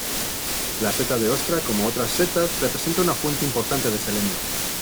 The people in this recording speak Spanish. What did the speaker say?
La seta de ostra, como otras setas, representa una fuente importante de selenio.